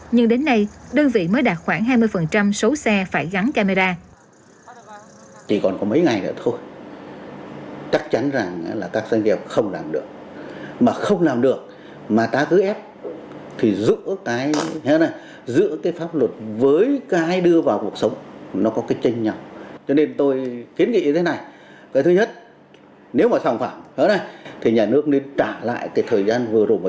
nhưng đến nay đơn vị mới đạt khoảng hai mươi số xe phải gắn camera